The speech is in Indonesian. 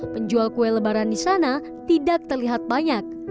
penjual kue lebaran di sana tidak terlihat banyak